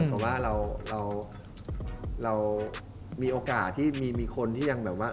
เพราะว่าเรามีโอกาสที่มีคนที่ยังแบบว่า